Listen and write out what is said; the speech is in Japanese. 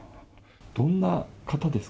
どんな方ですか？